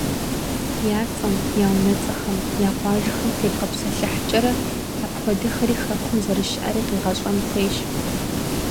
Я цӏэм, я унэцӏэхэм, я къуажэхэм тебгъэпсэлъыхькӏэрэ, апхуэдэхэри Хэкум зэрыщыӏэри къегъэщӏэн хуейщ.